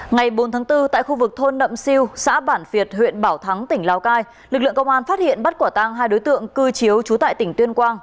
ngày bốn tháng bốn tại khu vực thôn nậm siêu xã bản việt huyện bảo thắng tỉnh lào cai lực lượng công an phát hiện bắt quả tang hai đối tượng cư chiếu trú tại tỉnh tuyên quang